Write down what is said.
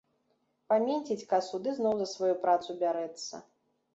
Паменціць касу ды зноў за сваю працу бярэцца.